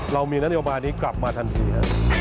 เรามีนัทยอมอาร์ดีกลับมาทันที